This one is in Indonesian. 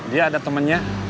dia ada temennya